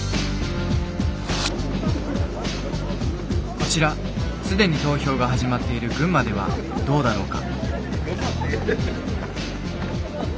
こちら既に投票が始まっている群馬ではどうだろうか？